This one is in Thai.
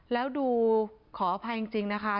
แล้วดูขออภัยจริงนะคะ